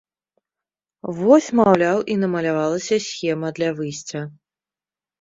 Вось, маўляў, і намалявалася схема для выйсця.